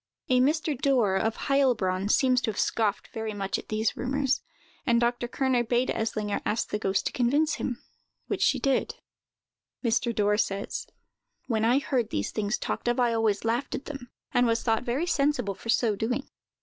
A Mr. Dorr, of Heilbronn, seems to have scoffed very much at these rumors, and Dr. Kerner bade Eslinger ask the ghost to convince him, which she did. Mr. Dorr says: "When I heard these things talked of, I always laughed at them, and was thought very sensible for so doing.